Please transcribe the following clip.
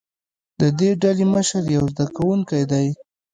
د دې ډلې مشر یو زده کوونکی دی.